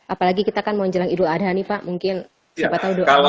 apalagi kita kan mau menjelangi doa adhani pak mungkin siapa tau doa apa sih